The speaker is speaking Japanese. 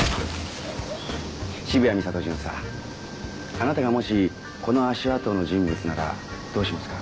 渋谷美里巡査あなたがもしこの足跡の人物ならどうしますか？